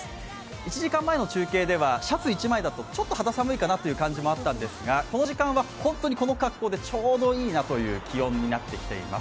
１時間前の中継ではシャツ１枚だとちょっと肌寒いかなという感じもあったんですがこの時間は本当にこの格好でちょうどいいなという気温になってきています。